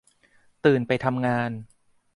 ตื่นไปทำงาน